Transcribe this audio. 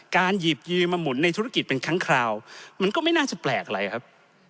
หยิบยืมมาหมุนในธุรกิจเป็นครั้งคราวมันก็ไม่น่าจะแปลกอะไรครับ